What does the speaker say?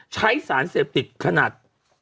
ใช้สารเสพติดขนาด